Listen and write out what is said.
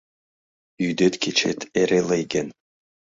Йӱдет-кечет эре лыйген